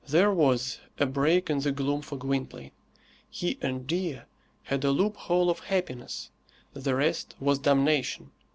There was a break in the gloom for Gwynplaine. He and Dea had a loophole of happiness; the rest was damnation.